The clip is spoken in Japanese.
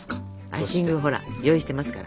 アイシングをほら用意してますから。